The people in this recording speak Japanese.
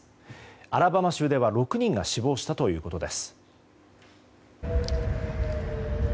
アラバマ州では６人が死亡したということです。